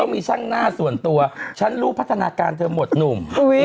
มีช่างหน้าส่วนตัวฉันรู้พัฒนาการเธอหมดหนุ่ม